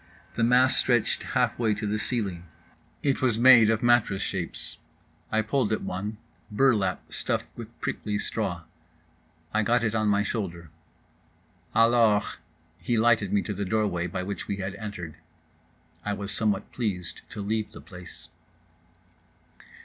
The mass stretched halfway to the ceiling. It was made of mattress shapes. I pulled at one—burlap, stuffed with prickly straw. I got it on my shoulder. "Alors." He lighted me to the door way by which we had entered. (I was somewhat pleased to leave the place.)